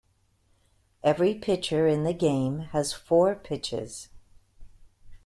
Every pitcher in the game has four pitches.